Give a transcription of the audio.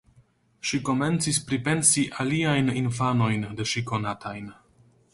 Ŝi komencis pripensi aliajn infanojn de ŝi konatajn.